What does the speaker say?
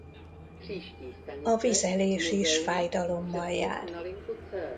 A vizelés is fájdalommal jár.